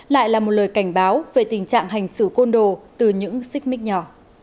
lại là một lời cảnh báo về tình trạng hành xử côn đồ từ những xích mít nhỏ